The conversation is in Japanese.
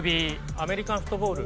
アメリカンフットボール。